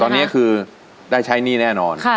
ตอนนี้คือได้ใช้หนี้แน่นอน